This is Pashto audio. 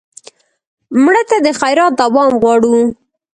مړه ته د خیرات دوام غواړو